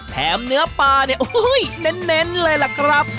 แถมเนื้อปลาเนี่ยโอ้โฮเน้นเลยล่ะครับ